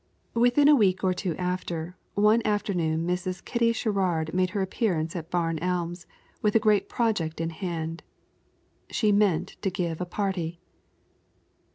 Within a week or two after, one afternoon Mrs. Kitty Sherrard made her appearance at Barn Elms, with a great project in hand. She meant to give a party.